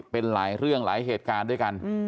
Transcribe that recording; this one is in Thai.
เป็นหลายเรื่องหลายเหตุการณ์ด้วยกัน